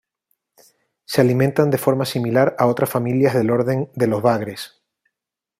Se alimentan de forma similar a otras familias del orden de los bagres.